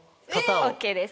ＯＫです！